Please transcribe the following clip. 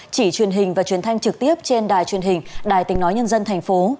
chỉ truyền hình và truyền thanh trực tiếp trên đài truyền hình đài tình nói nhân dân thành phố